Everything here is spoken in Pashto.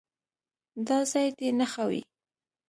دا ځای دې نښه وي.